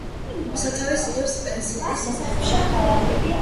სათავეს იღებს სპენსერის მთებში.